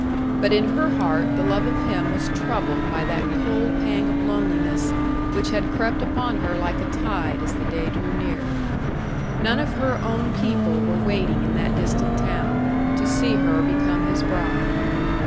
But in her heart the love of him was troubled by that cold pang of loneliness which had crept upon her like a tide as the day drew near. None of her own people were waiting in that distant town to see her become his bride.